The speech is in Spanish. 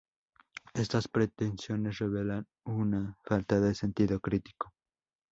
Estas pretensiones, revelan una falta de sentido crítico.